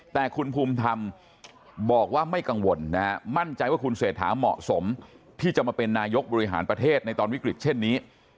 แต่คุณภูมิธรรมบอกว่าไม่กังวลนะฮะมั่นใจว่าคุณเศรษฐาเหมาะสมที่จะมาเป็นนายกบริหารประเทศในตอนวิกฤตเช่นนี้